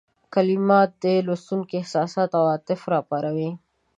کلمات د لوستونکي احساسات او عواطف را وپاروي.